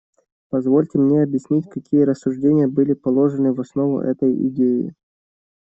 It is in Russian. Позвольте мне объяснить, какие рассуждения были положены в основу этой идеи.